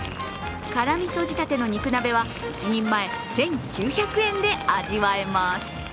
辛味噌仕立ての肉鍋は１人前１９００円で味わえます。